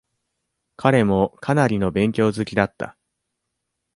彼もかなりの勉強好きだった。